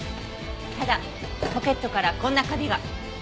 ただポケットからこんな紙が。